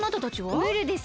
ムールです。